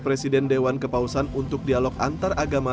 presiden dewan kepausan untuk dialog antaragama